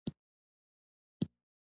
د عقایدو منل د سولې سبب دی.